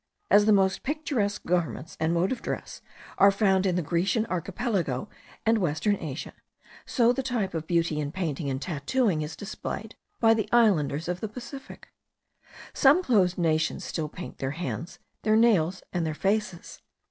As the most picturesque garments and modes of dress are found in the Grecian Archipelago and western Asia, so the type of beauty in painting and tattooing is displayed by the islanders of the Pacific. Some clothed nations still paint their hands, their nails, and their faces.